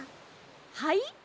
はい？